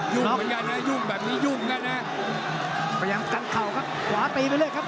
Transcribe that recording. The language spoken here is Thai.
ยุ่มเหมือนกันนะครับยุ่มแบบนี้ยุ่มแน่น่ะพยายามกันเข้าครับขวาตีไปเลยครับ